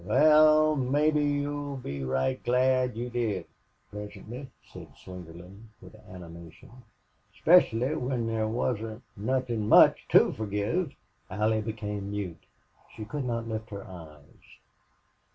"War, mebbe you'll be right glad you did presently," said Slingerland, with animation. "'Specially when thar wasn't nothin' much to forgive." Allie became mute. She could not lift her eyes.